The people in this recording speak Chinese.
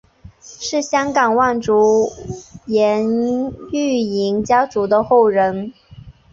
是香港望族颜玉莹家族的后人。